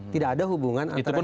tidak ada hubungan antara